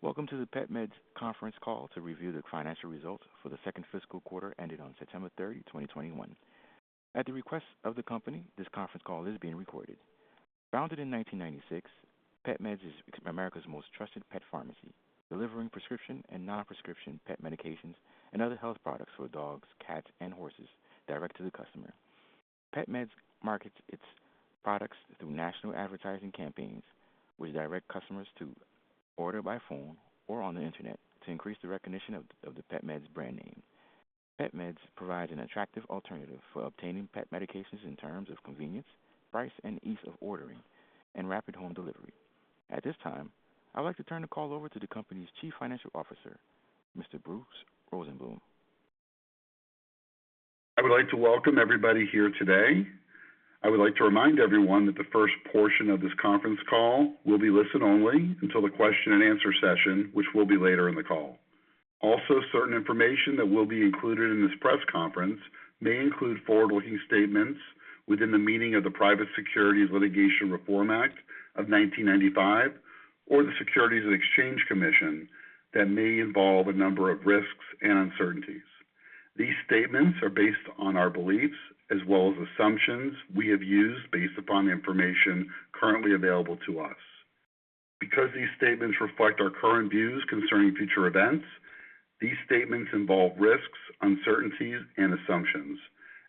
Welcome to the PetMeds conference call to review the financial results for the second fiscal quarter ended on September 30, 2021. At the request of the company, this conference call is being recorded. Founded in 1996, PetMeds is America's most trusted pet pharmacy, delivering prescription and non-prescription pet medications and other health products for dogs, cats, and horses direct to the customer. PetMeds markets its products through national advertising campaigns, which direct customers to order by phone or on the internet to increase the recognition of the PetMeds brand name. PetMeds provides an attractive alternative for obtaining pet medications in terms of convenience, price, and ease of ordering, and rapid home delivery. At this time, I would like to turn the call over to the company's Chief Financial Officer, Mr. Bruce Rosenbloom. I would like to welcome everybody here today. I would like to remind everyone that the first portion of this conference call will be listen only until the question and answer session, which will be later in the call. Also, certain information that will be included in this press conference may include forward-looking statements within the meaning of the Private Securities Litigation Reform Act of 1995 or the Securities and Exchange Commission that may involve a number of risks and uncertainties. These statements are based on our beliefs as well as assumptions we have used based upon the information currently available to us. Because these statements reflect our current views concerning future events, these statements involve risks, uncertainties, and assumptions.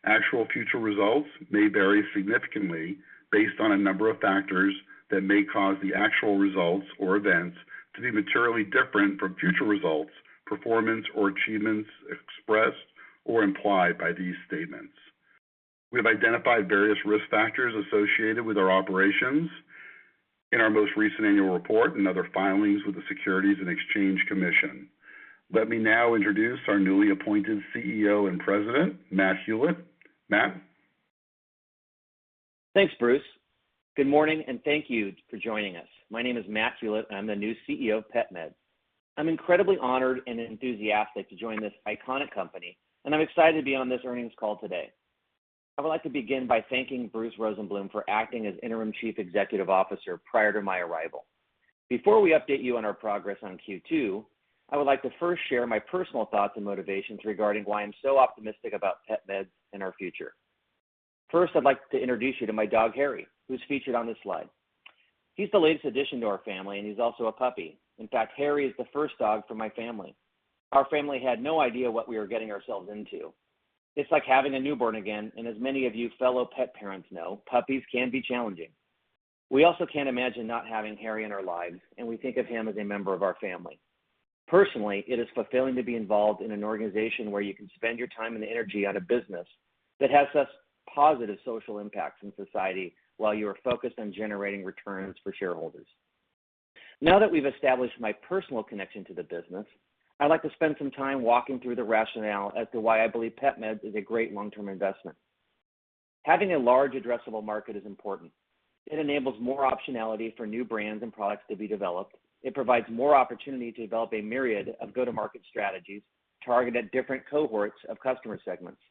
Actual future results may vary significantly based on a number of factors that may cause the actual results or events to be materially different from future results, performance, or achievements expressed or implied by these statements. We have identified various risk factors associated with our operations in our most recent annual report and other filings with the Securities and Exchange Commission. Let me now introduce our newly appointed CEO and President, Matt Hulett. Matt? Thanks, Bruce. Good morning, and thank you for joining us. My name is Matt Hulett, and I'm the new Chief Executive Officer of PetMeds. I'm incredibly honored and enthusiastic to join this iconic company, and I'm excited to be on this earnings call today. I would like to begin by thanking Bruce Rosenbloom for acting as interim Chief Executive Officer prior to my arrival. Before we update you on our progress on Q2, I would like to first share my personal thoughts and motivations regarding why I'm so optimistic about PetMeds and our future. First, I'd like to introduce you to my dog, Harry, who's featured on this slide. He's the latest addition to our family, and he's also a puppy. In fact, Harry is the first dog for my family. Our family had no idea what we were getting ourselves into. It's like having a newborn again. As many of you fellow pet parents know, puppies can be challenging. We also can't imagine not having Harry in our lives. We think of him as a member of our family. Personally, it is fulfilling to be involved in an organization where you can spend your time and energy on a business that has such positive social impacts in society while you are focused on generating returns for shareholders. Now that we've established my personal connection to the business, I'd like to spend some time walking through the rationale as to why I believe PetMeds is a great long-term investment. Having a large addressable market is important. It enables more optionality for new brands and products to be developed. It provides more opportunity to develop a myriad of go-to-market strategies targeted at different cohorts of customer segments.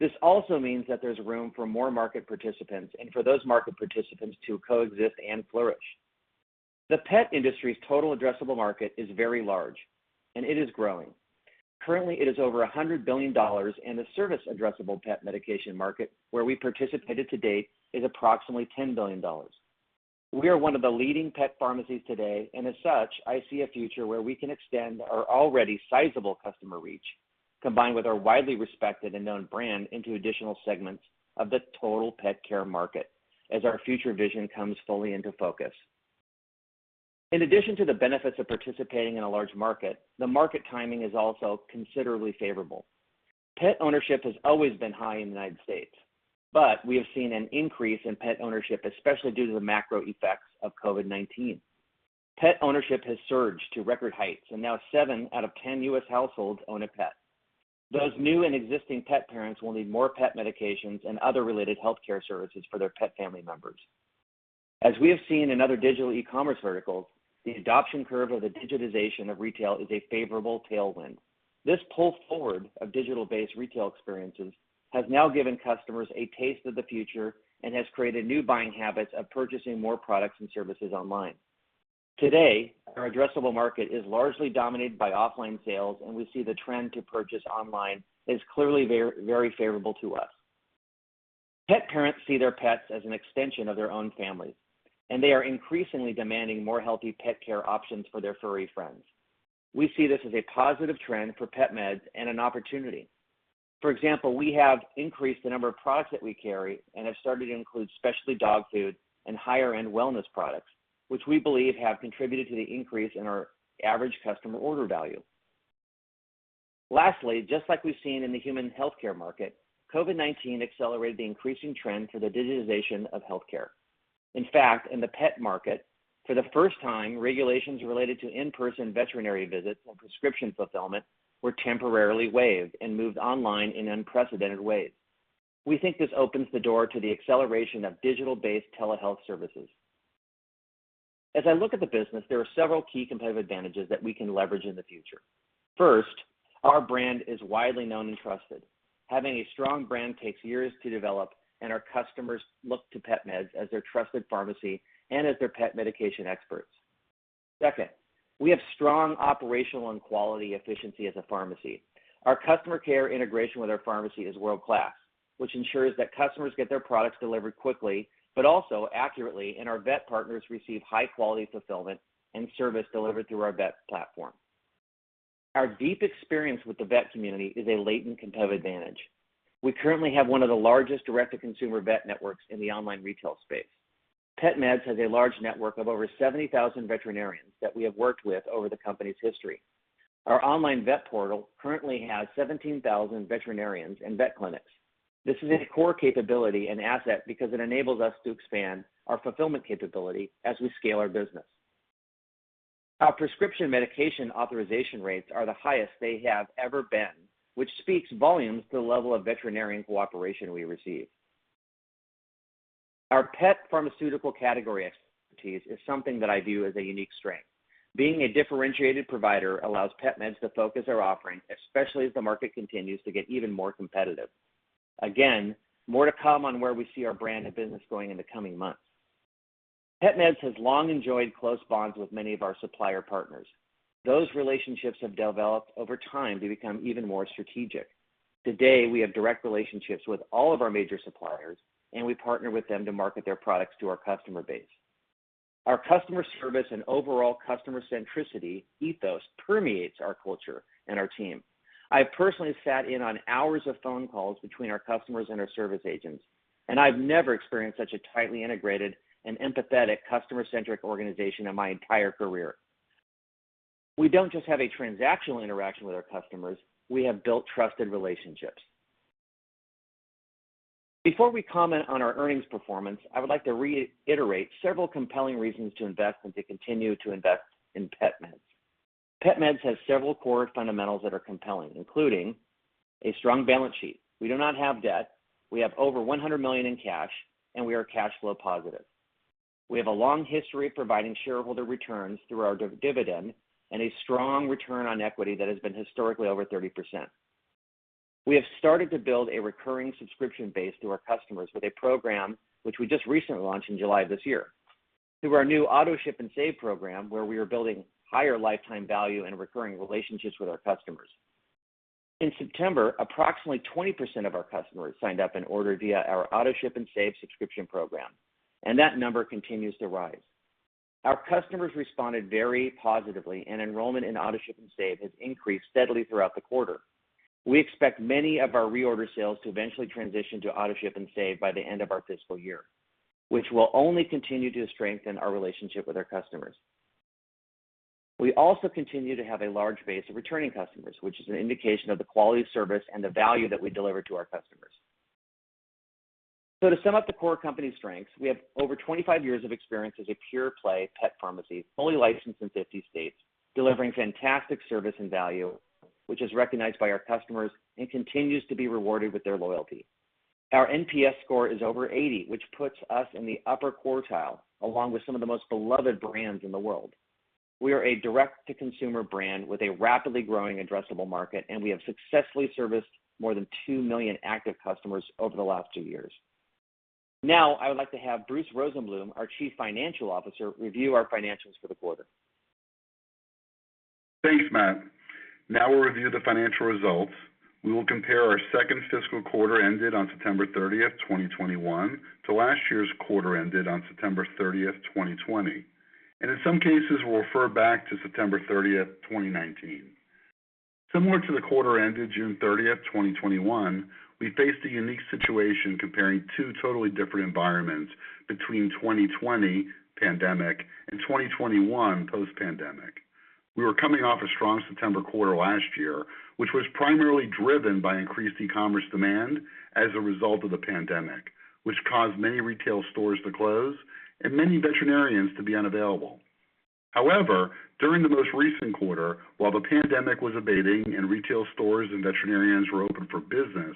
This also means that there's room for more market participants and for those market participants to coexist and flourish. The pet industry's total addressable market is very large, and it is growing. Currently, it is over $100 billion, and the service addressable pet medication market, where we participated to date, is approximately $10 billion. We are one of the leading pet pharmacies today, and as such, I see a future where we can extend our already sizable customer reach, combined with our widely respected and known brand, into additional segments of the total pet care market as our future vision comes fully into focus. In addition to the benefits of participating in a large market, the market timing is also considerably favorable. Pet ownership has always been high in the U.S., but we have seen an increase in pet ownership, especially due to the macro effects of COVID-19. Pet ownership has surged to record heights, and now seven out of 10 U.S. households own a pet. Those new and existing pet parents will need more pet medications and other related healthcare services for their pet family members. As we have seen in other digital e-commerce verticals, the adoption curve of the digitization of retail is a favorable tailwind. This pull forward of digital-based retail experiences has now given customers a taste of the future and has created new buying habits of purchasing more products and services online. Today, our addressable market is largely dominated by offline sales, and we see the trend to purchase online is clearly very favorable to us. Pet parents see their pets as an extension of their own families, and they are increasingly demanding more healthy pet care options for their furry friends. We see this as a positive trend for PetMeds and an opportunity. For example, we have increased the number of products that we carry and have started to include specialty dog food and higher-end wellness products, which we believe have contributed to the increase in our average customer order value. Lastly, just like we've seen in the human healthcare market, COVID-19 accelerated the increasing trend for the digitization of healthcare. In fact, in the pet market, for the first time, regulations related to in-person veterinary visits and prescription fulfillment were temporarily waived and moved online in unprecedented ways. We think this opens the door to the acceleration of digital-based telehealth services. As I look at the business, there are several key competitive advantages that we can leverage in the future. First, our brand is widely known and trusted. Having a strong brand takes years to develop, and our customers look to PetMeds as their trusted pharmacy and as their pet medication experts. Second, we have strong operational and quality efficiency as a pharmacy. Our customer care integration with our pharmacy is world-class, which ensures that customers get their products delivered quickly, but also accurately, and our vet partners receive high-quality fulfillment and service delivered through our vet platform. Our deep experience with the vet community is a latent competitive advantage. We currently have one of the largest direct-to-consumer vet networks in the online retail space. PetMeds has a large network of over 70,000 veterinarians that we have worked with over the company's history. Our online vet portal currently has 17,000 veterinarians and vet clinics. This is a core capability and asset because it enables us to expand our fulfillment capability as we scale our business. Our prescription medication authorization rates are the highest they have ever been, which speaks volumes to the level of veterinarian cooperation we receive. Our pet pharmaceutical category expertise is something that I view as a unique strength. Being a differentiated provider allows PetMeds to focus our offering, especially as the market continues to get even more competitive. More to come on where we see our brand and business going in the coming months. PetMeds has long enjoyed close bonds with many of our supplier partners. Those relationships have developed over time to become even more strategic. Today, we have direct relationships with all of our major suppliers, and we partner with them to market their products to our customer base. Our customer service and overall customer centricity ethos permeates our culture and our team. I personally sat in on hours of phone calls between our customers and our service agents, and I've never experienced such a tightly integrated and empathetic customer-centric organization in my entire career. We don't just have a transactional interaction with our customers. We have built trusted relationships. Before we comment on our earnings performance, I would like to reiterate several compelling reasons to invest and to continue to invest in PetMeds. PetMeds has several core fundamentals that are compelling, including a strong balance sheet. We do not have debt, we have over $100 million in cash, and we are cash flow positive. We have a long history of providing shareholder returns through our dividend and a strong return on equity that has been historically over 30%. We have started to build a recurring subscription base through our customers with a program which we just recently launched in July of this year through our new AutoShip & Save program, where we are building higher lifetime value and recurring relationships with our customers. In September, approximately 20% of our customers signed up and ordered via our AutoShip & Save subscription program, and that number continues to rise. Our customers responded very positively, and enrollment in AutoShip & Save has increased steadily throughout the quarter. We expect many of our reorder sales to eventually transition to AutoShip & Save by the end of our fiscal year, which will only continue to strengthen our relationship with our customers. We also continue to have a large base of returning customers, which is an indication of the quality of service and the value that we deliver to our customers. To sum up the core company strengths, we have over 25 years of experience as a pure-play pet pharmacy, fully licensed in 50 states, delivering fantastic service and value, which is recognized by our customers and continues to be rewarded with their loyalty. Our NPS score is over 80, which puts us in the upper quartile, along with some of the most beloved brands in the world. We are a direct-to-consumer brand with a rapidly growing addressable market, and we have successfully serviced more than 2 million active customers over the last two years. I would like to have Bruce Rosenbloom, our Chief Financial Officer, review our financials for the quarter. Thanks, Matt. Now we'll review the financial results. We will compare our second fiscal quarter ended on September 30th, 2021 to last year's quarter ended on September 30th, 2020. In some cases, we'll refer back to September 30th, 2019. Similar to the quarter ended June 30th, 2021, we faced a unique situation comparing two totally different environments between 2020 pandemic and 2021 post-pandemic. We were coming off a strong September quarter last year, which was primarily driven by increased e-commerce demand as a result of the pandemic, which caused many retail stores to close and many veterinarians to be unavailable. During the most recent quarter, while the pandemic was abating and retail stores and veterinarians were open for business,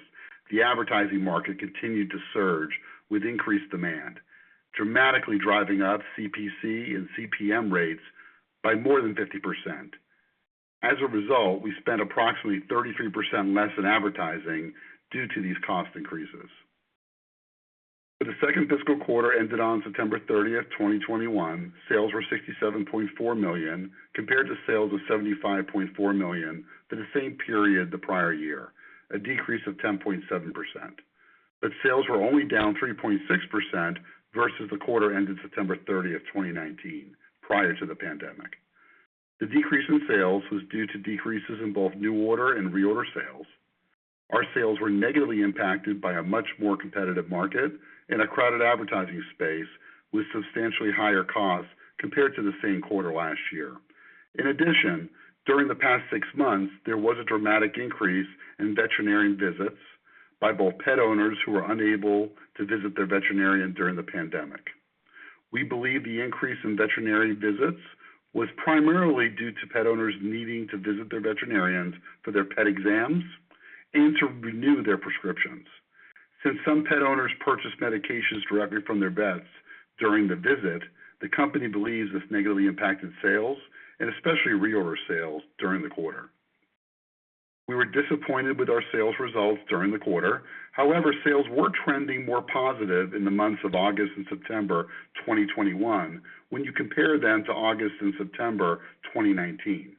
the advertising market continued to surge with increased demand, dramatically driving up CPC and CPM rates by more than 50%. As a result, we spent approximately 33% less on advertising due to these cost increases. For the second fiscal quarter ended on September 30th, 2021, sales were $67.4 million compared to sales of $75.4 million for the same period the prior year, a decrease of 10.7%. Sales were only down 3.6% versus the quarter ended September 30th, 2019, prior to the pandemic. The decrease in sales was due to decreases in both new order and reorder sales. Our sales were negatively impacted by a much more competitive market and a crowded advertising space with substantially higher costs compared to the same quarter last year. In addition, during the past six months, there was a dramatic increase in veterinarian visits by both pet owners who were unable to visit their veterinarian during the pandemic. We believe the increase in veterinary visits was primarily due to pet owners needing to visit their veterinarians for their pet exams and to renew their prescriptions. Since some pet owners purchase medications directly from their vets during the visit, the company believes this negatively impacted sales, and especially reorder sales, during the quarter. We were disappointed with our sales results during the quarter. Sales were trending more positive in the months of August and September 2021 when you compare them to August and September 2019.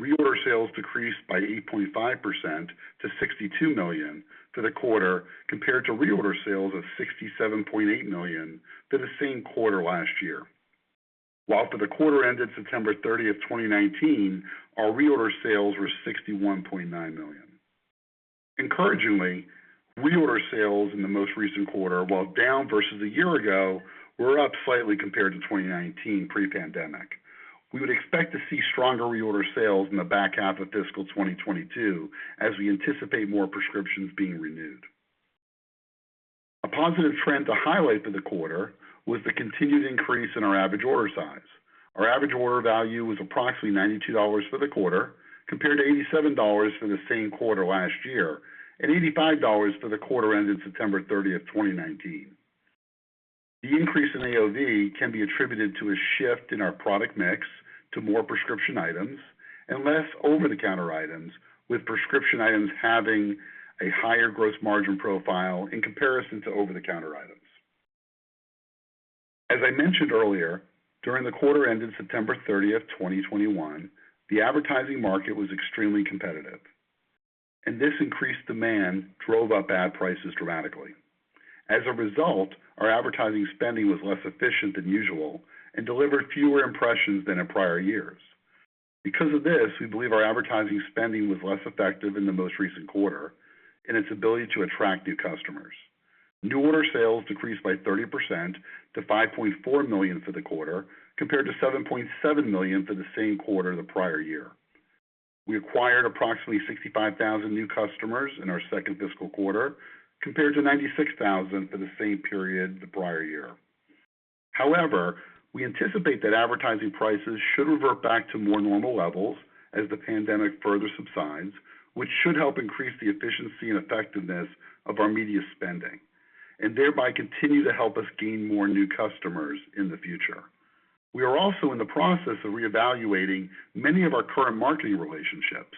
Reorder sales decreased by 8.5%, to $62 million for the quarter, compared to reorder sales of $67.8 million for the same quarter last year. While for the quarter ended September 30th, 2019, our reorder sales were $61.9 million. Encouragingly, reorder sales in the most recent quarter, while down versus a year ago, were up slightly compared to 2019 pre-pandemic. We would expect to see stronger reorder sales in the back half of fiscal 2022 as we anticipate more prescriptions being renewed. A positive trend to highlight for the quarter was the continued increase in our average order size. Our average order value was approximately $92 for the quarter, compared to $87 for the same quarter last year, and $85 for the quarter ended September 30th, 2019. The increase in AOV can be attributed to a shift in our product mix to more prescription items and less over-the-counter items, with prescription items having a higher gross margin profile in comparison to over-the-counter items. As I mentioned earlier, during the quarter ending September 30th, 2021, the advertising market was extremely competitive, and this increased demand drove up ad prices dramatically. As a result, our advertising spending was less efficient than usual and delivered fewer impressions than in prior years. We believe our advertising spending was less effective in the most recent quarter in its ability to attract new customers. New order sales decreased by 30%, to $5.4 million for the quarter, compared to $7.7 million for the same quarter the prior year. We acquired approximately 65,000 new customers in our second fiscal quarter, compared to 96,000 for the same period the prior year. We anticipate that advertising prices should revert back to more normal levels as the pandemic further subsides, which should help increase the efficiency and effectiveness of our media spending, and thereby continue to help us gain more new customers in the future. We are also in the process of reevaluating many of our current marketing relationships,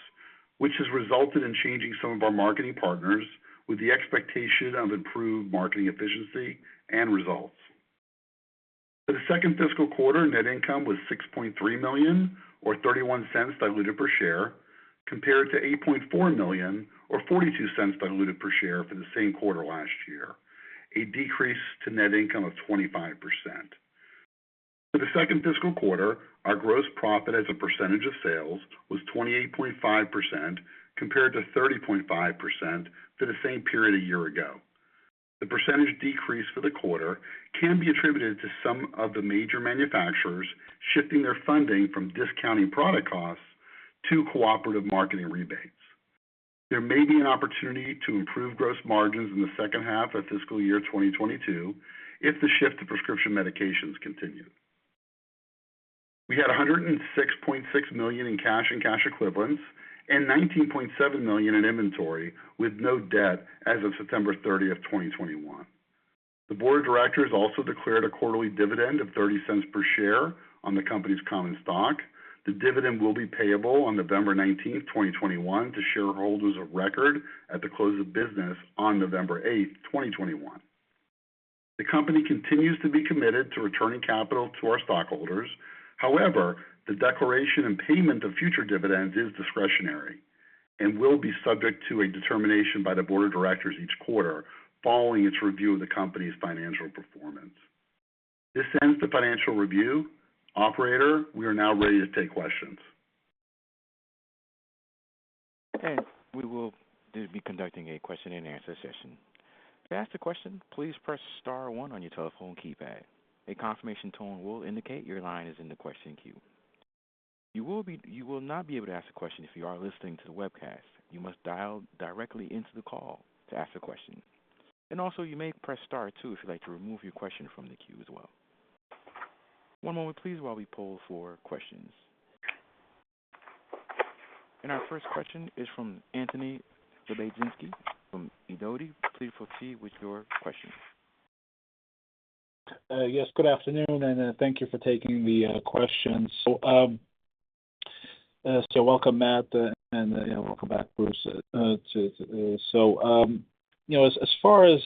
which has resulted in changing some of our marketing partners with the expectation of improved marketing efficiency and results. For the second fiscal quarter, net income was $6.3 million, or $0.31 diluted per share, compared to $8.4 million or $0.42 diluted per share for the same quarter last year, a decrease to net income of 25%. For the second fiscal quarter, our gross profit as a percentage of sales was 28.5%, compared to 30.5% for the same period a year ago. The percentage decrease for the quarter can be attributed to some of the major manufacturers shifting their funding from discounting product costs to cooperative marketing rebates. There may be an opportunity to improve gross margins in the second half of fiscal year 2022 if the shift to prescription medications continues. We had $106.6 million in cash and cash equivalents and $19.7 million in inventory, with no debt as of September 30th, 2021. The board of directors also declared a quarterly dividend of $0.30 per share on the company's common stock. The dividend will be payable on November 19th, 2021 to shareholders of record at the close of business on November 8th, 2021. The company continues to be committed to returning capital to our stockholders. However, the declaration and payment of future dividends is discretionary and will be subject to a determination by the board of directors each quarter following its review of the company's financial performance. This ends the financial review. Operator, we are now ready to take questions. Our first question is from Anthony Lebiedzinski from Sidoti. Please proceed with your question. Yes, good afternoon, and thank you for taking the questions. Welcome, Matt, and welcome back, Bruce. As far as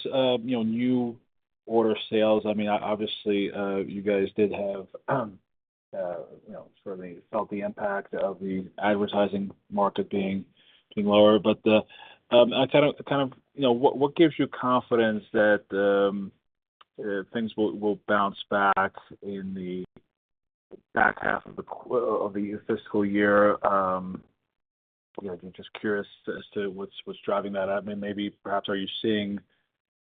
new order sales, obviously you guys did have certainly felt the impact of the advertising market being lower. What gives you confidence that things will bounce back in the back half of the fiscal year? I'm just curious as to what's driving that. I mean maybe perhaps are you seeing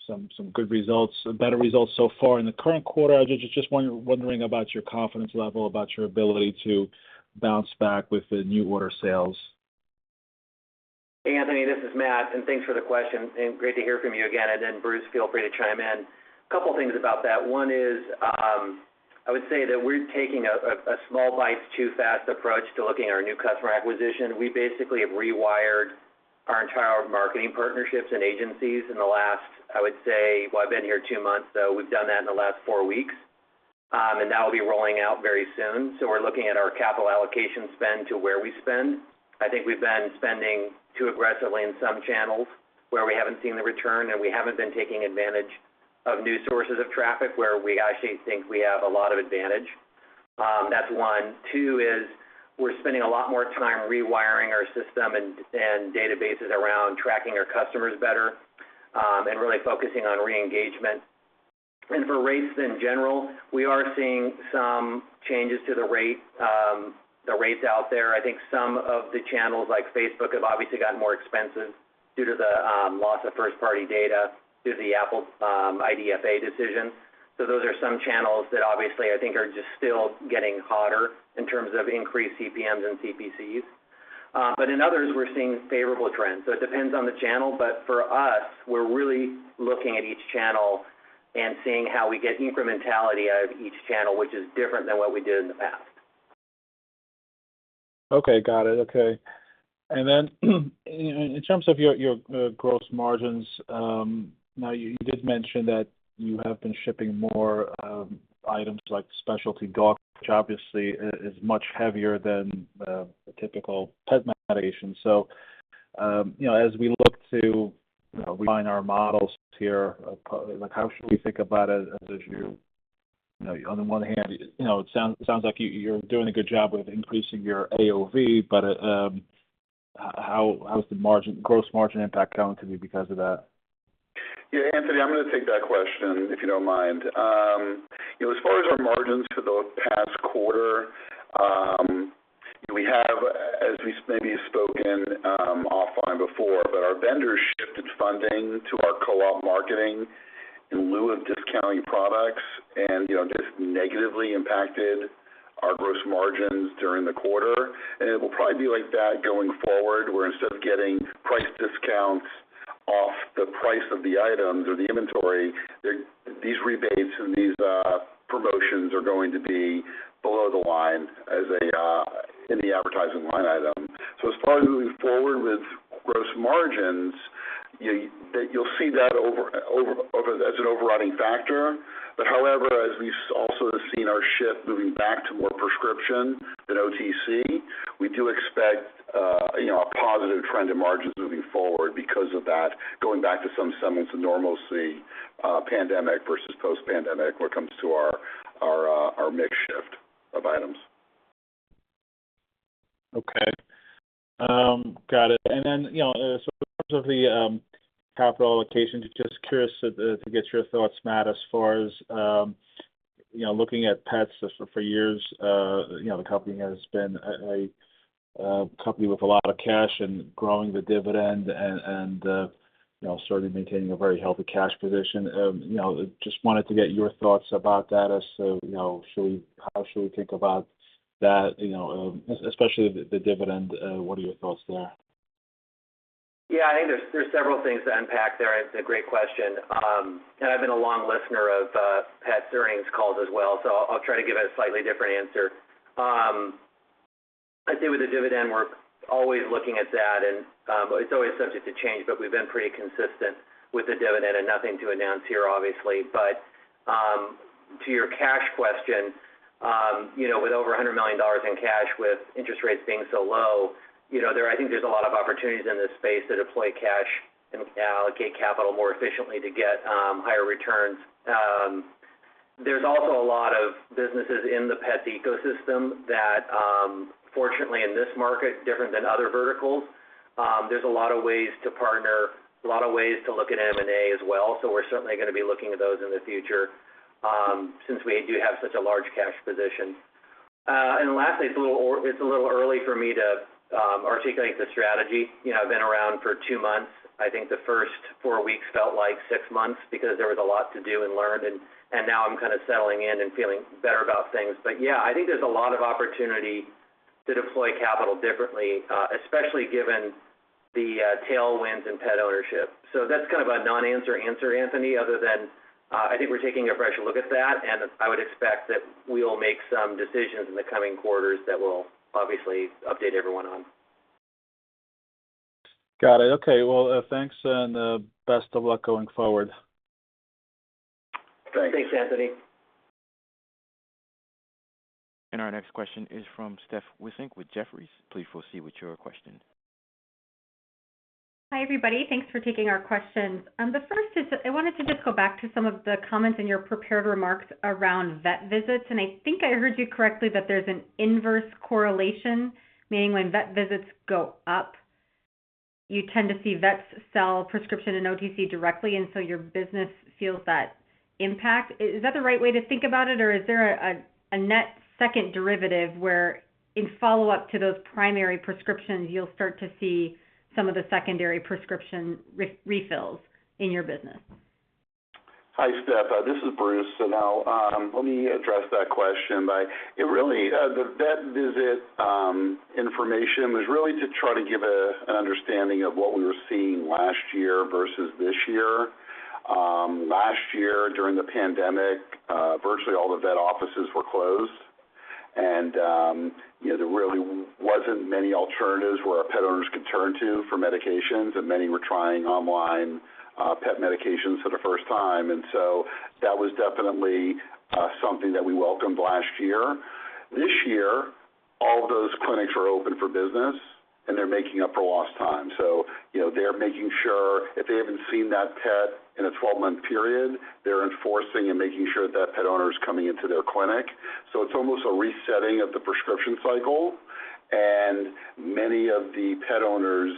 some good results or better results so far in the current quarter? I was just wondering about your confidence level about your ability to bounce back with the new order sales. Hey, Anthony. This is Matt, thanks for the question, and great to hear from you again. Bruce, feel free to chime in. Couple things about that. One is, I would say that we're taking a small bites too fast approach to looking at our new customer acquisition. We basically have rewired our entire marketing partnerships and agencies in the last, I would say Well, I've been here two months, so we've done that in the last four weeks. That will be rolling out very soon. We're looking at our capital allocation spend to where we spend I think we've been spending too aggressively in some channels where we haven't seen the return, and we haven't been taking advantage of new sources of traffic where we actually think we have a lot of advantage. That's one. Two is we're spending a lot more time rewiring our system and databases around tracking our customers better, and really focusing on re-engagement. For rates in general, we are seeing some changes to the rates out there. I think some of the channels, like Facebook, have obviously gotten more expensive due to the loss of first-party data through the Apple IDFA decision. Those are some channels that obviously I think are just still getting hotter in terms of increased CPMs and CPCs. In others, we're seeing favorable trends. It depends on the channel, but for us, we're really looking at each channel and seeing how we get incrementality out of each channel, which is different than what we did in the past. Okay. Got it. Okay. In terms of your gross margins, now you did mention that you have been shipping more items like specialty dog, which obviously is much heavier than the typical pet medication. As we look to align our models here, how should we think about it On the one hand, it sounds like you're doing a good job with increasing your AOV, but how is the gross margin impact going to be because of that? Yeah, Anthony, I'm going to take that question, if you don't mind. As far as our margins for the past quarter, we have, as we maybe have spoken offline before, but our vendors shifted funding to our co-op marketing in lieu of discounting products, and just negatively impacted our gross margins during the quarter. It will probably be like that going forward, where instead of getting price discounts off the price of the items or the inventory, these rebates and these promotions are going to be below the line in the advertising line item. As far as moving forward with gross margins, you'll see that as an overriding factor. However, as we also have seen our shift moving back to more prescription than OTC, we do expect a positive trend in margins moving forward because of that going back to some semblance of normalcy, pandemic versus post-pandemic, when it comes to our mix shift of items. Okay. Got it. In terms of the capital allocation, just curious to get your thoughts, Matt, as far as looking at pets, just for years the company has been a company with a lot of cash and growing the dividend, and certainly maintaining a very healthy cash position. Just wanted to get your thoughts about that as to how should we think about that, especially the dividend. What are your thoughts there? Yeah, I think there's several things to unpack there. It's a great question. I've been a long listener of past earnings calls as well, so I'll try to give a slightly different answer. I'd say with the dividend, we're always looking at that and it's always subject to change, but we've been pretty consistent with the dividend and nothing to announce here, obviously. To your cash question, with over $100 million in cash, with interest rates being so low, I think there's a lot of opportunities in this space to deploy cash and allocate capital more efficiently to get higher returns. There's also a lot of businesses in the pet ecosystem that, fortunately in this market, different than other verticals, there's a lot of ways to partner, a lot of ways to look at M&A as well. We're certainly going to be looking at those in the future, since we do have such a large cash position. Lastly, it's a little early for me to articulate the strategy. I've been around for two months. I think the first four weeks felt like six months because there was a lot to do and learn, and now I'm kind of settling in and feeling better about things. Yeah, I think there's a lot of opportunity to deploy capital differently, especially given the tailwinds in pet ownership. That's kind of a non-answer answer, Anthony, other than, I think we're taking a fresh look at that, and I would expect that we will make some decisions in the coming quarters that we'll obviously update everyone on. Got it. Okay. Well, thanks, and best of luck going forward. Thanks. Thanks, Anthony. Our next question is from Steph Wissink with Jefferies. Please proceed with your question. Hi, everybody. Thanks for taking our questions. The first is, I wanted to just go back to some of the comments in your prepared remarks around vet visits, and I think I heard you correctly that there's an inverse correlation, meaning when vet visits go up, you tend to see vets sell prescription and OTC directly, and so your business feels that impact. Is that the right way to think about it? Is there a net second derivative where in follow-up to those primary prescriptions, you'll start to see some of the secondary prescription refills in your business? Hi, Steph. This is Bruce. Let me address that question by the vet visit information was really to try to give an understanding of what we were seeing last year versus this year. Last year, during the pandemic, virtually all the vet offices were closed. There really wasn't many alternatives where our pet owners could turn to for medications, and many were trying online pet medications for the first time. That was definitely something that we welcomed last year. This year, all of those clinics are open for business, and they're making up for lost time. They're making sure if they haven't seen that pet in a 12-month period, they're enforcing and making sure that pet owner is coming into their clinic. It's almost a resetting of the prescription cycle. Many of the pet owners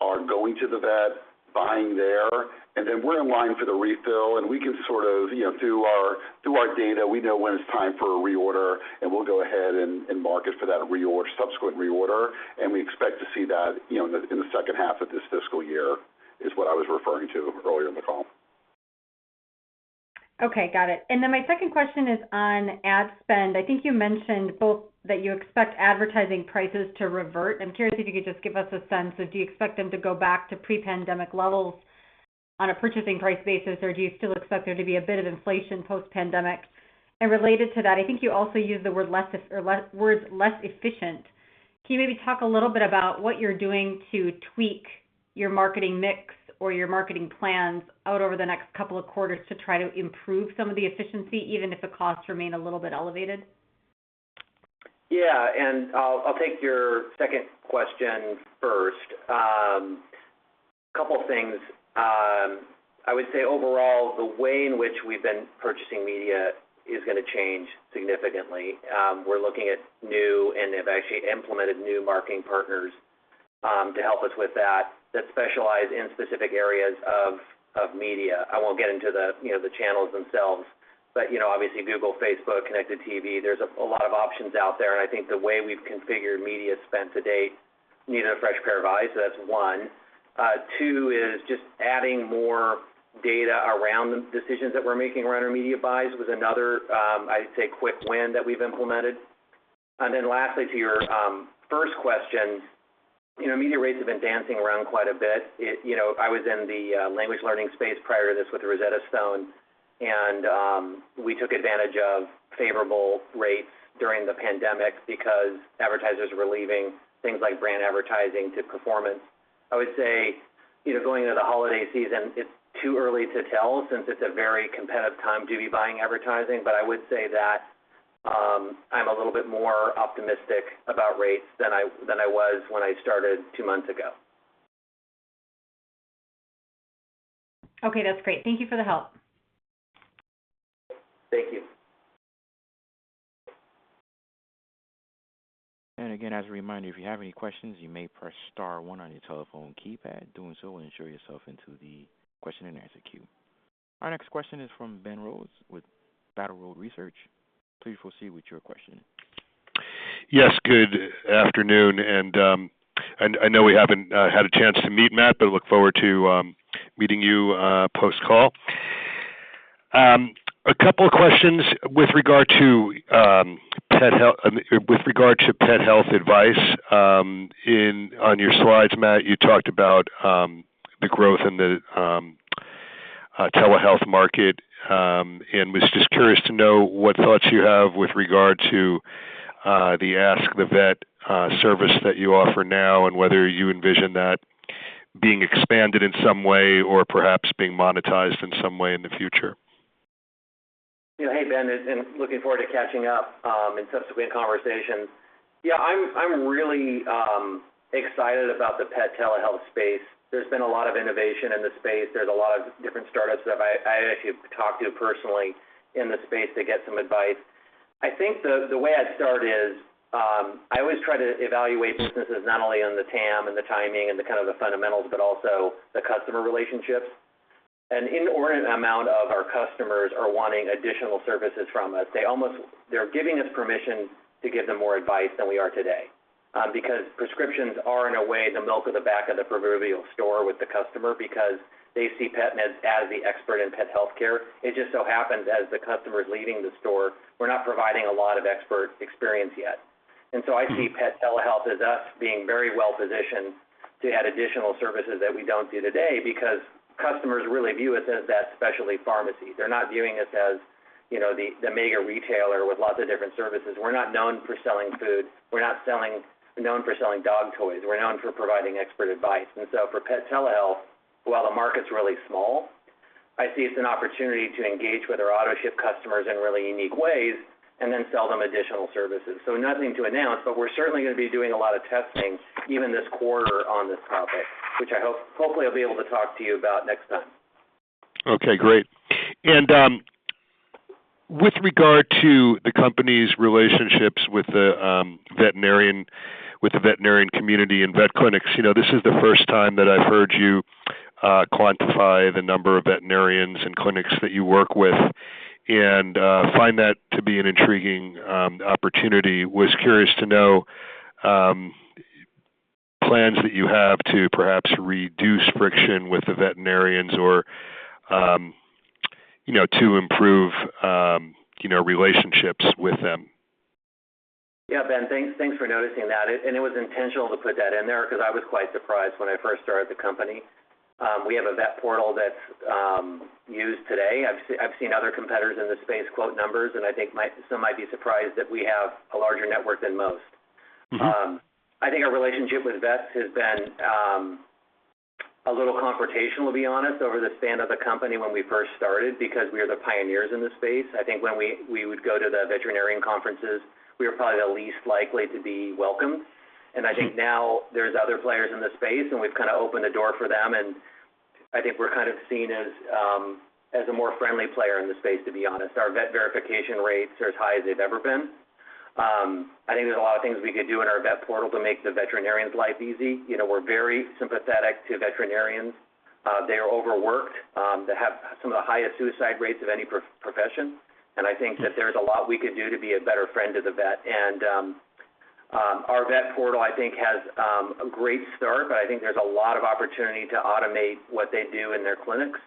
are going to the vet, buying there, and then we're in line for the refill, and through our data, we know when it's time for a reorder, and we'll go ahead and market for that subsequent reorder. We expect to see that in the second half of this fiscal year, is what I was referring to earlier in the call. Okay. Got it. My second question is on ad spend. I think you mentioned both that you expect advertising prices to revert. I'm curious if you could just give us a sense of, do you expect them to go back to pre-pandemic levels on a purchasing price basis, or do you still expect there to be a bit of inflation post-pandemic? Related to that, I think you also used the words less efficient. Can you maybe talk a little bit about what you're doing to tweak your marketing mix or your marketing plans out over the next couple of quarters to try to improve some of the efficiency, even if the costs remain a little bit elevated? Yeah, I'll take your second question first. Couple things. I would say overall, the way in which we've been purchasing media is going to change significantly. We're looking at new and have actually implemented new marketing partners to help us with that specialize in specific areas of media. I won't get into the channels themselves, but obviously Google, Facebook, connected TV, there's a lot of options out there, and I think the way we've configured media spend to date needs a fresh pair of eyes. That's one. Two is just adding more data around the decisions that we're making around our media buys was another, I'd say, quick win that we've implemented. Lastly, to your first question, media rates have been dancing around quite a bit. I was in the language learning space prior to this with Rosetta Stone. We took advantage of favorable rates during the pandemic because advertisers were leaving things like brand advertising to performance. I would say, going into the holiday season, it's too early to tell since it's a very competitive time to be buying advertising. I would say that I'm a little bit more optimistic about rates than I was when I started two months ago. Okay. That's great. Thank you for the help. Thank you. Again, as a reminder, if you have any questions, you may press star one on your telephone keypad. Doing so will ensure yourself into the question-and-answer queue. Our next question is from Ben Rose with Battle Road Research. Please proceed with your question. Yes, good afternoon. I know we haven't had a chance to meet, Matt, but look forward to meeting you post-call. Two questions with regard to pet health advice. On your slides, Matt, you talked about the growth in the telehealth market. Was just curious to know what thoughts you have with regard to the Ask the Vet service that you offer now, and whether you envision that being expanded in some way or perhaps being monetized in some way in the future. Hey, Ben. Looking forward to catching up and subsequent conversations. I'm really excited about the pet telehealth space. There's been a lot of innovation in the space. There's a lot of different startups that I actually have talked to personally in the space to get some advice. I think the way I'd start is, I always try to evaluate businesses not only on the TAM, and the timing, and the kind of the fundamentals, but also the customer relationships. An inordinate amount of our customers are wanting additional services from us. They're giving us permission to give them more advice than we are today. Prescriptions are, in a way, the milk at the back of the proverbial store with the customer because they see PetMed as the expert in pet healthcare. It just so happens as the customer's leaving the store, we're not providing a lot of expert experience yet. I see pet telehealth as us being very well-positioned to add additional services that we don't do today because customers really view us as that specialty pharmacy. They're not viewing us as the mega retailer with lots of different services. We're not known for selling food. We're not known for selling dog toys. We're known for providing expert advice. For pet telehealth, while the market's really small, I see it's an opportunity to engage with our AutoShip customers in really unique ways and then sell them additional services. Nothing to announce, but we're certainly going to be doing a lot of testing even this quarter on this topic, which I hopefully will be able to talk to you about next time. Okay, great. With regard to the company's relationships with the veterinarian community and vet clinics, this is the first time that I've heard you quantify the number of veterinarians and clinics that you work with and find that to be an intriguing opportunity. I was curious to know plans that you have to perhaps reduce friction with the veterinarians or to improve relationships with them. Yeah, Ben. Thanks for noticing that. It was intentional to put that in there because I was quite surprised when I first started the company. We have a vet portal that's used today. I've seen other competitors in this space quote numbers, and I think some might be surprised that we have a larger network than most. I think our relationship with vets has been a little confrontational, to be honest, over the span of the company when we first started, because we are the pioneers in this space. I think when we would go to the veterinarian conferences, we were probably the least likely to be welcomed. I think now there's other players in the space, and we've opened the door for them, and I think we're kind of seen as a more friendly player in the space, to be honest. Our vet verification rates are as high as they've ever been. I think there's a lot of things we could do in our vet portal to make the veterinarian's life easy. We're very sympathetic to veterinarians. They are overworked. They have some of the highest suicide rates of any profession. I think that there's a lot we could do to be a better friend to the vet. Our vet portal, I think, has a great start. I think there's a lot of opportunity to automate what they do in their clinics.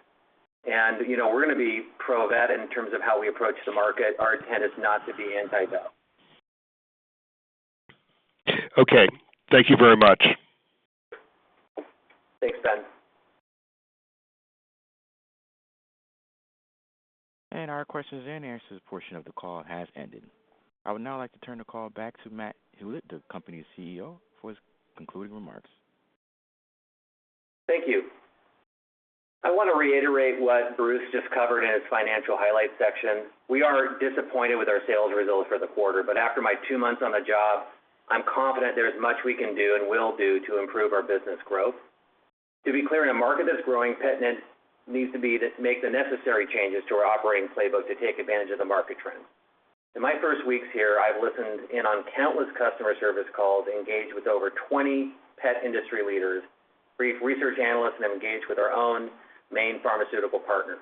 We're going to be pro-vet in terms of how we approach the market. Our intent is not to be anti-vet. Okay. Thank you very much. Thanks, Ben. Our questions and answers portion of the call has ended. I would now like to turn the call back to Matt Hulett, the company's CEO, for his concluding remarks. Thank you. I want to reiterate what Bruce just covered in his financial highlights section. We are disappointed with our sales results for the quarter. After my two months on the job, I'm confident there's much we can do and will do to improve our business growth. To be clear, in a market that's growing, PetMed needs to make the necessary changes to our operating playbook to take advantage of the market trends. In my first weeks here, I've listened in on countless customer service calls, engaged with over 20 pet industry leaders, briefed research analysts, and have engaged with our own main pharmaceutical partners.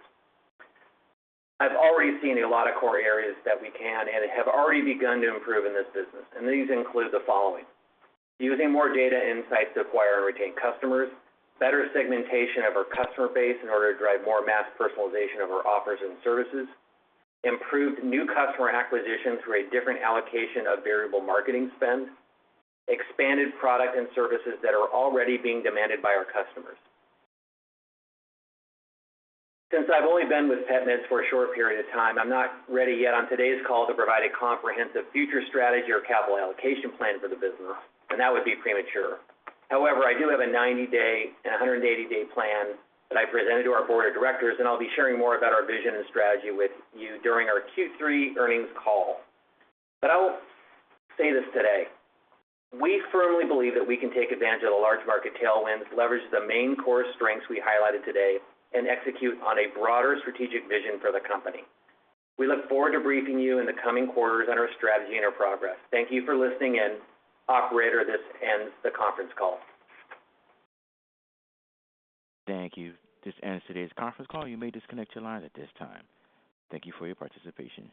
I've already seen a lot of core areas that we can and have already begun to improve in this business, these include the following. Using more data insights to acquire and retain customers, better segmentation of our customer base in order to drive more mass personalization of our offers and services, improved new customer acquisition through a different allocation of variable marketing spend, expanded product and services that are already being demanded by our customers. Since I've only been with PetMed for a short period of time, I'm not ready yet on today's call to provide a comprehensive future strategy or capital allocation plan for the business. That would be premature. However, I do have a 90-day and 180-day plan that I presented to our board of directors. I'll be sharing more about our vision and strategy with you during our Q3 earnings call. I will say this today. We firmly believe that we can take advantage of the large market tailwinds, leverage the main core strengths we highlighted today, and execute on a broader strategic vision for the company. We look forward to briefing you in the coming quarters on our strategy and our progress. Thank you for listening in. Operator, this ends the conference call. Thank you. This ends today's conference call. You may disconnect your line at this time. Thank you for your participation.